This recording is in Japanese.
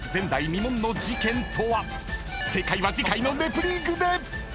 ［正解は次回の『ネプリーグ』で！］